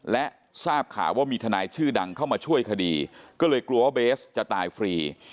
และทราบข่าวว่ามีทนายชื่อดังเข้ามาช่วยคดีก็เลยกลัวว่าเบสจะตายฟรี